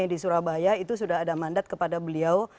di surabaya itu sudah ada mandat kepada beliau